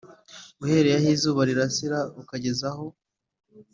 Uhereye aho izuba rirasira ukageza aho